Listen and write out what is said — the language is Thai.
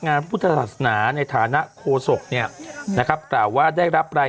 พระพุทธศาสนาในฐานะโคศกเนี่ยนะครับกล่าวว่าได้รับราย